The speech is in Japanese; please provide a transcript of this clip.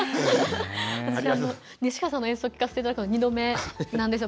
私、西川さんの演奏を聴かせていただくの２度目なんですよ。